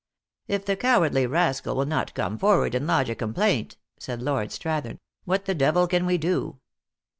"If the cowardly rascal will not come forward and lodge a complaint," said Lord Strathern, "what the devil can we do